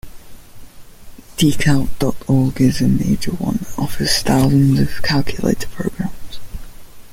Ticalc dot org is a major one that offers thousands of calculator programs.